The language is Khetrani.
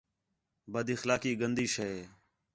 بد اخلاقی گندی شے ہے